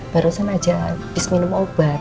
barusan aja habis minum obat